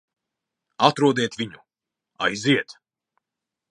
Atrodiet viņu. Aiziet!